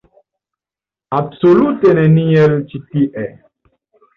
Absolute neniel ĉi tiel.